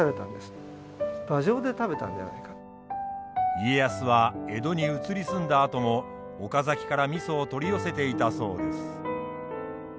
家康は江戸に移り住んだあとも岡崎から味を取り寄せていたそうです。